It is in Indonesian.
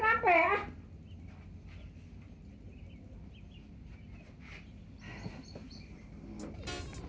mati ngasih weke nywalah castle